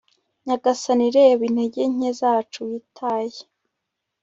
nyagasani, reba intege nke zacu, witaye